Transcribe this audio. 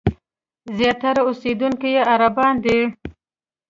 زیاتره اوسېدونکي یې عربان دي.